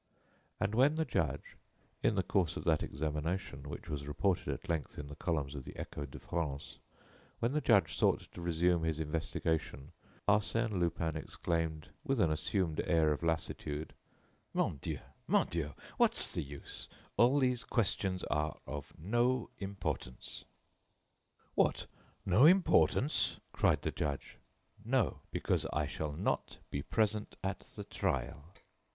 And when the judge, in the course of that examination which was reported at length in the columns of the Echo de France, when the judge sought to resume his investigation, Arsène Lupin exclaimed, with an assumed air of lassitude: "Mon Dieu, Mon Dieu, what's the use! All these questions are of no importance!" "What! No importance?" cried the judge. "No; because I shall not be present at the trial."